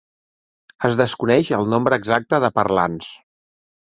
Es desconeix el nombre exacte de parlants.